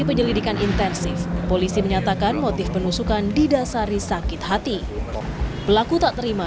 penyelidikan intensif polisi menyatakan motif penusukan didasari sakit hati pelaku tak terima